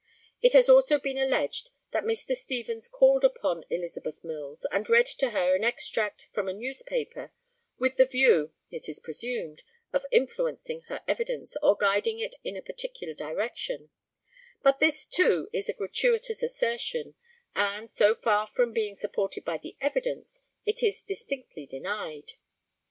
It has also been alleged that Mr. Stevens called upon Elizabeth Mills, and read to her an extract from a newspaper, with the view, it is presumed, of influencing her evidence or guiding it in a particular direction; but this, too, is a gratuitous assertion, and, so far from being supported by the evidence, it is distinctly denied.